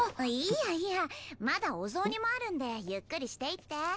いやいやまだお雑煮もあるんでゆっくりしていって。